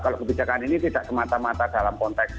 kalau kebijakan ini tidak semata mata dalam konteks